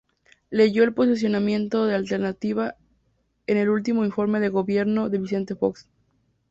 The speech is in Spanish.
Leyó el posicionamiento de Alternativa en el último informe de Gobierno de Vicente Fox.